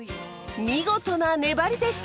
見事な粘りでした！